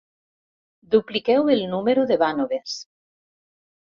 Dupliqueu el número de vànoves.